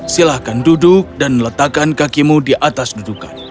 silahkan duduk dan letakkan kakimu di atas dudukan